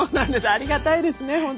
ありがたいですね本当。